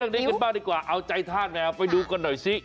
เรื่องนี้กันบ้างดีกว่าเอาใจธาตุแมวไปดูกันหน่อยสิ